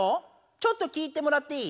ちょっと聞いてもらっていい？